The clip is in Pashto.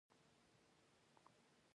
هېواد ته نفس وباسئ